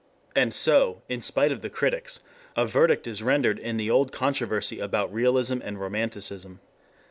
3 And so, in spite of the critics, a verdict is rendered in the old controversy about realism and romanticism.